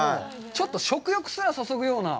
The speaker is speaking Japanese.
ちょっと食欲すら誘うような。